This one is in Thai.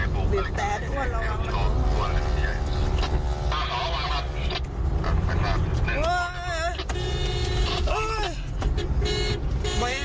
ปุ๊บมันเองค่ะแต่ว่าไขมันจะหาร้ายต่อไปจนแดนสุดท้าย